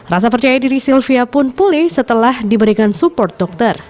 rasa percaya diri sylvia pun pulih setelah diberikan support dokter